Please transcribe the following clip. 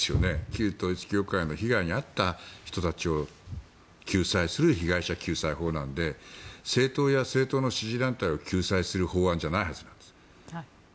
旧統一教会の被害に遭った人たちを救済する被害者救済法なので政党や政党の支持団体を救済する法案じゃないはずなんです。